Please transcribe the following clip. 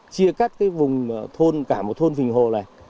chia cắt cái vùng thôn cả một thôn phình hồ này